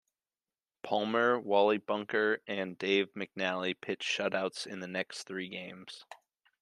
Palmer, Wally Bunker and Dave McNally pitched shutouts in the next three games.